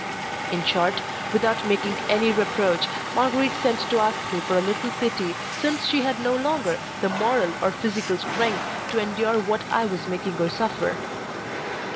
In short, without making any reproach, Marguerite sent to ask me for a little pity, since she had no longer the moral or physical strength to endure what I was making her suffer.